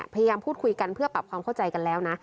พยายามพูดคุยกันเพื่อปรับความเข้าใจกันแล้วนะ